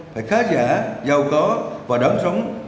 phải khá giả giàu có và đáng sống